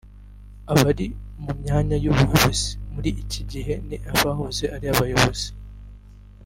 abari mu myanya y’ubuyobozi muri iki gihe n’abahoze ari abayobozi